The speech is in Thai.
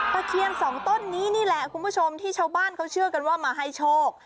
เคียนสองต้นนี้นี่แหละคุณผู้ชมที่ชาวบ้านเขาเชื่อกันว่ามาให้โชค